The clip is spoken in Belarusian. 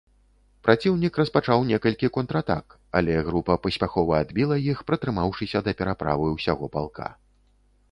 Праціўнік распачаў некалькі контратак, але група паспяхова адбіла іх, пратрымаўшыся да пераправы ўсяго палка.